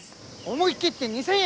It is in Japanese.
思い切って２，０００円！